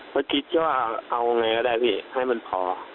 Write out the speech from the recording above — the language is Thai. เพราะคิดแค่ว่าเอาง่ายก็ได้พี่ให้มันพอ